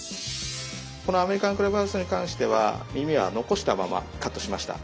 このアメリカンクラブハウスに関してはみみは残したままカットしました。